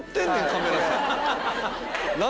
カメラさん。